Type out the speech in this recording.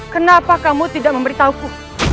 kenapa kamu tidak memberitahuku